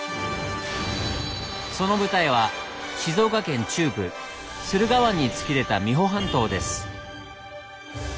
その舞台は静岡県中部駿河湾に突き出た三保半島です。